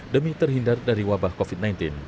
demi terhindar dari wabah covid sembilan belas